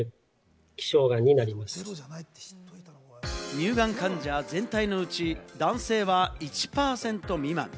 乳がん患者全体のうち、男性は１％未満。